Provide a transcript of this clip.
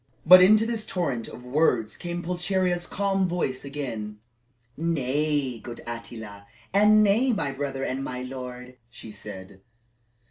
But into this torrent of words came Pulcheria's calm voice again. "Nay, good Attila, and nay, my brother and my lord," she said.